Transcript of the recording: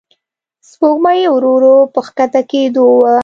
سپوږمۍ ورو ورو په کښته کېدو وه.